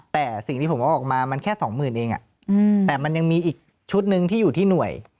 แต่สิ่งที่ผมว่าออกมามันแค่สองหมื่นเองแต่มันยังมีอีกชุดหนึ่งที่อยู่ที่หน่วย